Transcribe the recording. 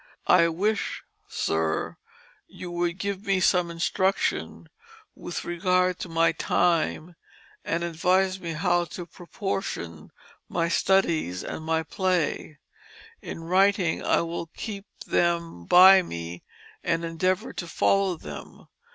I wish, Sir, you would give me some instructions with regard to my time & advise me how to proportion my Studies & my Play, in writing I will keep them by me & endeavour to follow them.